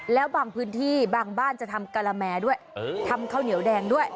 แล้วบางพื้นที่บางบ้านจะทำกะละแมด้วยทำข้าวเหนียวแดงด้วย